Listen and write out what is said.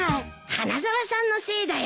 花沢さんのせいだよ。